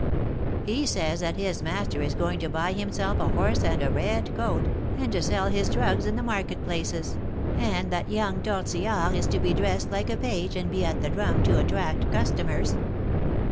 He says that his master is going to buy himself a horse and a red coat, and to sell his drugs in the market places, and that young Tortillard is to be dressed like a page and be at the drum, to attract customers."